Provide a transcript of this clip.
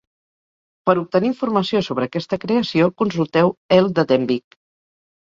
Per obtenir informació sobre aquesta creació, consulteu Earl de Denbigh.